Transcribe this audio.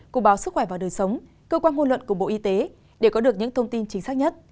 cục báo sức khỏe và đời sống cơ quan ngôn luận của bộ y tế để có được những thông tin chính xác nhất